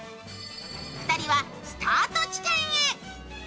２人はスタート地点へ。